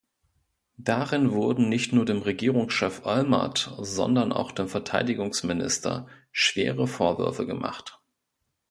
Darin wurden nicht nur dem Regierungschef Olmert, sondern auch dem Verteidigungsminister schwere Vorwürfe gemacht.